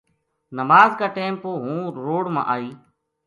نماز کا ٹیم پو ہوں روڑ ما آئی